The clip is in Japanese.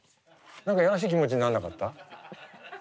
何かいやらしい気持ちになんなかった？